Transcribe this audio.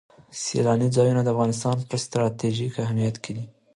سیلاني ځایونه د افغانستان په ستراتیژیک اهمیت کې دي.